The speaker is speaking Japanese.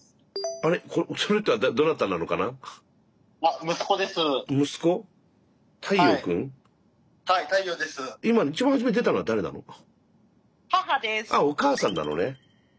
あれお母さんなのね。